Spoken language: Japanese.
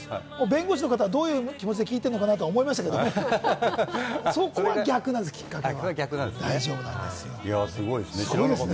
弁護士の方はどういう気持ちで聴いているのかなと思いましたけれど、そこは逆なんです、きっかけは。